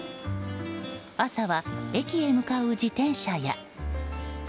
朝は駅へ向かう自転車や。